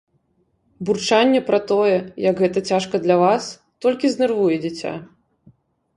Бурчанне пра тое, як гэта цяжка для вас, толькі знервуе дзіця.